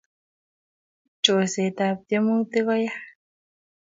chorsetab tyemutik ko ya.